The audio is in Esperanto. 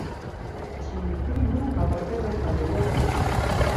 Ĉiuj tri nun apartenas al Eŭropa Unio.